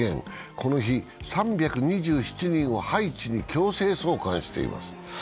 この日、３２７人を配ハイチに強制送還しています。